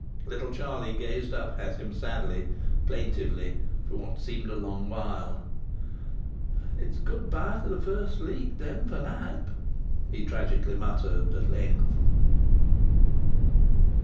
Little Charlie gazed up at him sadly, plaintively, for what seemed a long while. "It's good bye to th' First League, then, for Knype!" he tragically muttered, at length.